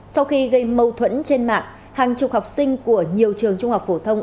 sau khi gây mâu thuẫn trên mạng hàng chục học sinh của nhiều trường trung học phổ thông